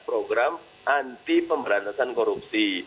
program anti pemberantasan korupsi